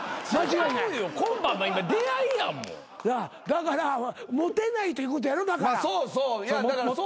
だからモテないということやろだから。